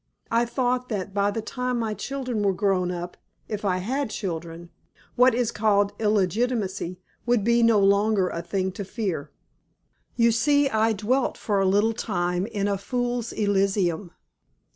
I thought that by the time my children were grown up if I had children what is called illegitimacy would be no longer a thing to fear. You see I dwelt for a little time in a fool's elysium.